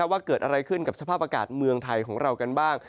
ว่าเกิดอะไรขึ้นกับสภาพอากาศเมืองไทยของเรากันบ้าง